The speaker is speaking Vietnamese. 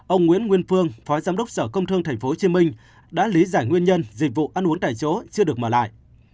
ông nguyễn nguyên phương phó giám đốc sở công thương tp hcm đã lý giải nguyên nhân dịch vụ ăn uống tại chỗ chưa được mở lại